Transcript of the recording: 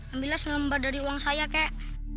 ambilnya selembar dari uang saya kak